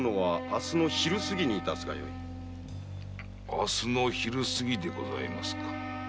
「明日の昼過ぎ」でございますか。